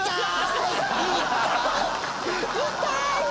痛い！